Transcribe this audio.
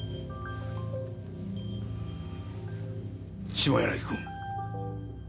下柳君。